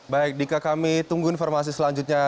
baik dika kami tunggu informasi selanjutnya